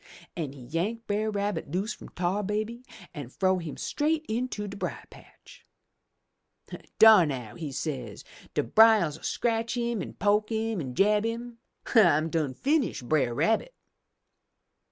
"An' he yank Brer Rabbit loose from Tar Baby an' frow him straight into de brier patch. 'Dar now,' he say, *De briers '11 scratch 'im, an' poke 'im, an' jab 'im! I done finish Brer Rabbit!'